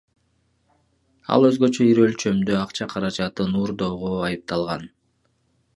Ал өзгөчө ири өлчөмдө акча каражатын уурдоого айыпталган.